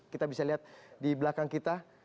kita bisa lihat di belakang kita